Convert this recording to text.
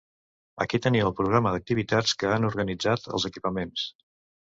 Aquí teniu el programa d'activitats que han organitzat els equipaments.